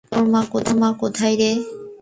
তোর মা কোথায় রে?